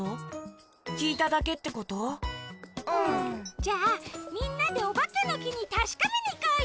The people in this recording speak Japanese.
じゃあみんなでおばけのきにたしかめにいこうよ！